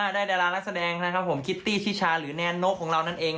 ดารานักแสดงนะครับผมคิตตี้ชิชาหรือแนนกของเรานั่นเอง